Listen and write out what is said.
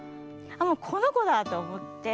「あっこの子だ！」と思って。